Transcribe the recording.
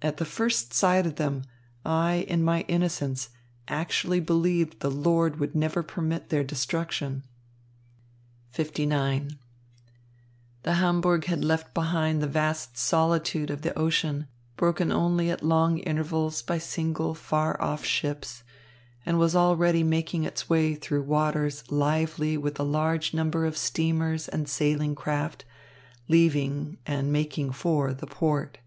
At the first sight of them, I, in my innocence, actually believed the Lord would never permit their destruction." LIX The Hamburg had left behind the vast solitude of the ocean, broken only at long intervals by single far off ships, and was already making its way through waters lively with a large number of steamers and sailing craft, leaving, and making for, the port.